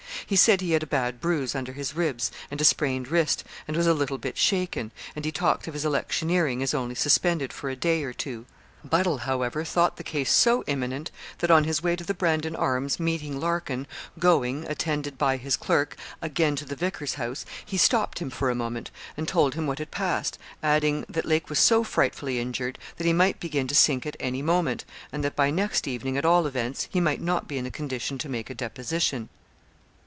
He said he had a bad bruise under his ribs, and a sprained wrist, and was a little bit shaken; and he talked of his electioneering as only suspended for a day or two. Buddle, however, thought the case so imminent, that on his way to the 'Brandon Arms,' meeting Larkin, going, attended by his clerk, again to the vicar's house, he stopped him for a moment, and told him what had passed, adding, that Lake was so frightfully injured, that he might begin to sink at any moment, and that by next evening, at all events, he might not be in a condition to make a deposition.